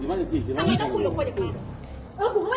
อาหารที่สุดท้าย